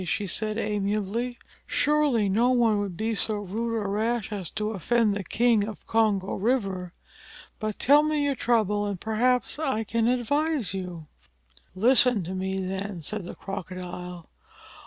she said amiably. "Surely, no one would be so rude or rash as to offend the King of Congo River. But tell me your trouble and perhaps I can advise you." "Listen to me, then," said the Crocodile.